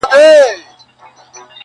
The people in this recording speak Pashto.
د الماسو یو غمی یې وو ورکړی,